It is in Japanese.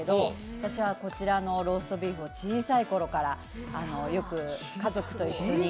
私はこちらのローストビーフを小さいころからよく家族と一緒に。